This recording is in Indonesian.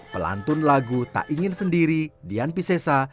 pelantun lagu tak ingin sendiri dian pisesa